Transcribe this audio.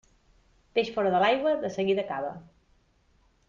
Peix fora de l'aigua, de seguida acaba.